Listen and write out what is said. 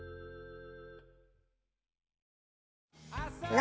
何？